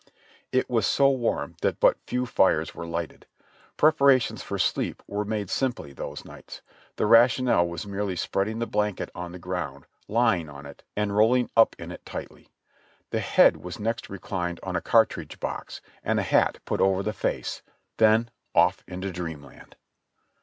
It was so warm that but few fires were lighted. Prep arations for sleep were made simply those nights ; the rationale was merely spreading the blanket on the ground, lying on it and rolling up in it tightly. The head was next reclined on a cart ridge box, and a hat put over the face, then off into Dreamland.